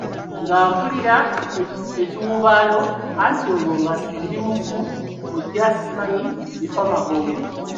Nga mpulira ekiwuubaalo anti olwo nga ndi mufu muggya simanyi bifa magombe.